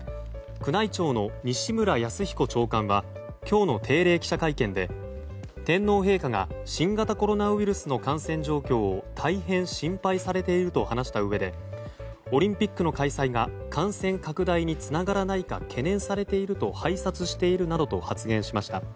宮内庁の西村泰彦長官は今日の定例記者会見で天皇陛下が新型コロナウイルスの感染状況を大変心配されていると話したうえでオリンピックの開催が感染拡大につながらないか懸念されていると拝察しているなどと発言しました。